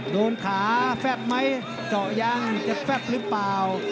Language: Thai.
โดนขาแฟบไหมเจาะยังจะแฟบหรือเปล่า